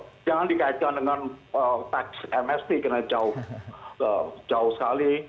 jadi jangan dikaitkan dengan tax mst karena jauh sekali